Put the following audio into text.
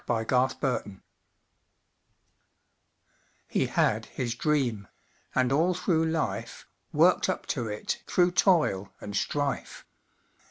HE HAD HIS DREAM He had his dream, and all through life, Worked up to it through toil and strife.